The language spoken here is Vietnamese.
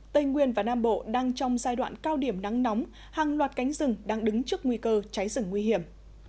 tây nguyên và nam bộ đang trong giai đoạn cao điểm nắng nóng hàng loạt cánh rừng đang đứng trước nguy cơ cháy rừng nguy hiểm